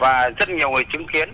và rất nhiều người chứng kiến